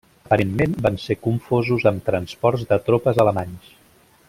Aparentment van ser confosos amb transports de tropes alemanys.